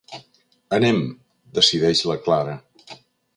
Anem, decideix la Clara.